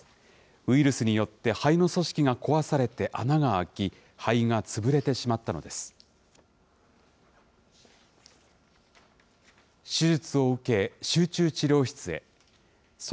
ウイルスによって肺の組織が壊されて穴が開き、肺が潰れてしまったのです。